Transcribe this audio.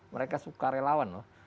mereka sukarelawan loh